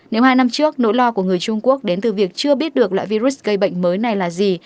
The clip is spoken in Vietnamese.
nếu hai năm trước nỗi lo của người trung quốc đến từ việc chưa biết được loại virus gây bệnh mới này là gì